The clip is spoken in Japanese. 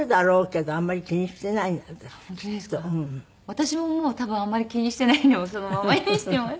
私ももう多分あまり気にしていないのはそのままにしています。